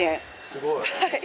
すごい！